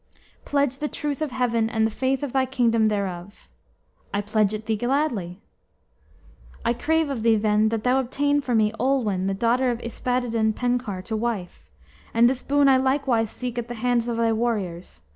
"Pledge the truth of Heaven and the faith of thy kingdom thereof." "I pledge it thee gladly." "I crave of thee, then, that thou obtain for me Olwen, the daughter of Yspadaden Penkawr, to wife; and this boon I likewise seek at the hands of thy warriors.